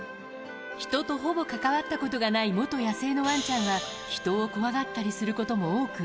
人とほぼ関わったことがない元野生のワンちゃんは、人を怖がったりすることも多く。